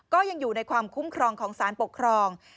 ก็ยังอยู่ในความคุ้มครองของสารปกครอง